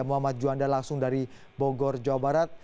muhammad juanda langsung dari bogor jawa barat